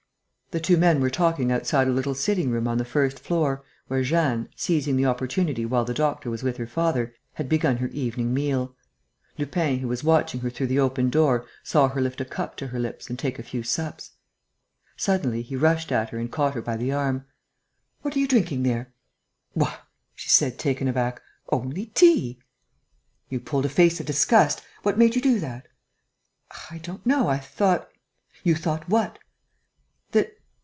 The two men were talking outside a little sitting room on the first floor, where Jeanne, seizing the opportunity while the doctor was with her father, had begun her evening meal. Lupin, who was watching her through the open door, saw her lift a cup to her lips and take a few sups. Suddenly, he rushed at her and caught her by the arm: "What are you drinking there?" "Why," she said, taken aback, "only tea!" "You pulled a face of disgust ... what made you do that?" "I don't know ... I thought...." "You thought what?" "That